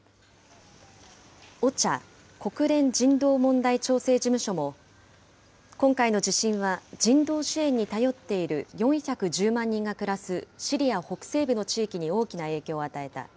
ＯＣＨＡ・国連人道問題調整事務所も、今回の地震は、人道支援に頼っている４１０万人が暮らすシリア北西部の地域に大きな影響を与えた。